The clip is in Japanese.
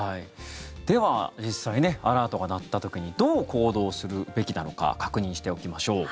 では実際アラートが鳴った時にどう行動するべきなのか確認しておきましょう。